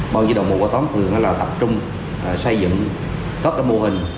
bọn di động mục ở tóm phường là tập trung xây dựng các mô hình